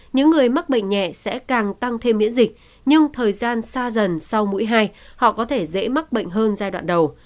những người mắc bệnh nhẹ sẽ càng tăng thêm miễn dịch nhưng thời gian xa dần sau mũi hai họ có thể dễ mắc bệnh hơn giai đoạn đầu